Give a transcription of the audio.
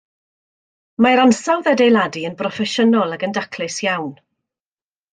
Mae'r ansawdd adeiladu yn broffesiynol ac yn daclus iawn